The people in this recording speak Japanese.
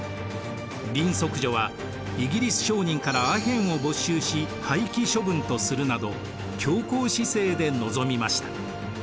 林則徐はイギリス商人からアヘンを没収し廃棄処分とするなど強硬姿勢で臨みました。